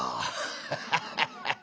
ハハハハッ！